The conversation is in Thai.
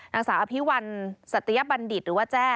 นางสาวอภิวัลสัตยบัณฑิตหรือว่าแจ้